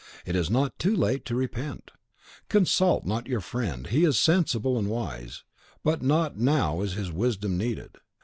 It is not too late to repent. Consult not your friend: he is sensible and wise; but not now is his wisdom needed.